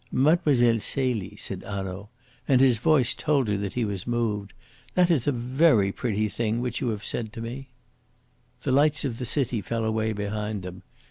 "Mlle. Celie," said Hanaud, and his voice told her that he was moved, "that is a very pretty thing which you have said to me." The lights of the city fell away behind them.